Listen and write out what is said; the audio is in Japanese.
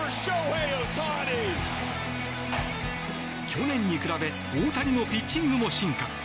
去年に比べ大谷のピッチングも進化。